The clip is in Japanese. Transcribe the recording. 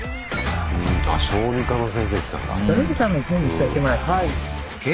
あ小児科の先生来たんだ。